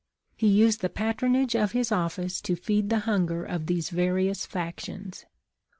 He used the pat ronage of his office to feed the hunger of these various factions.